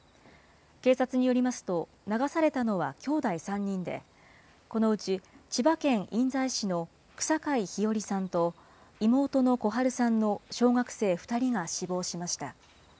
警察によりますと、流されたのはきょうだい３人で、このうち千葉県印西市の草皆陽愛さんと妹の小陽さんの小学生２人が死亡しました。